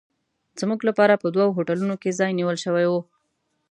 زموږ لپاره په دوو هوټلونو کې ځای نیول شوی و.